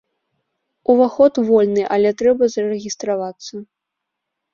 Уваход вольны, але трэба зарэгістравацца.